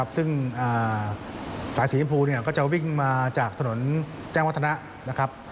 ซึ่งสายสีชมพูก็จะวิ่งมาจากถนนแจ้งวัฒนะนะครับ